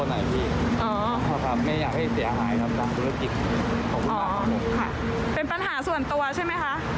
เกี่ยวกับร่างยาเจ็บติดไหม